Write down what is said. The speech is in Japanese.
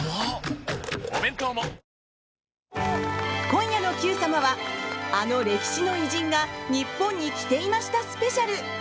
今夜の「Ｑさま！！」はあの歴史の偉人が日本に来ていましたスペシャル。